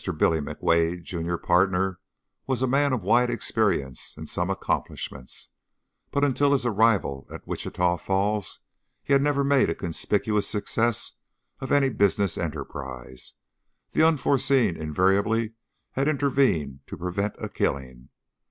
Billy McWade, junior partner, was a man of wide experience and some accomplishments, but until his arrival at Wichita Falls he had never made a conspicuous success of any business enterprise. The unforeseen invariably had intervened to prevent a killing.